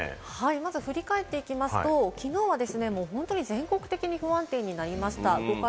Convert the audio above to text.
まず振り返っていきますと、きのうはもう本当に全国的に不安定になりました。